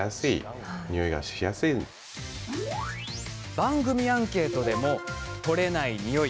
番組アンケートでも取れないニオイ